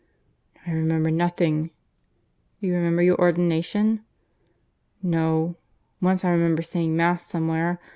"I remember nothing." "You remember your ordination?" "No. Once I remember saying Mass somewhere.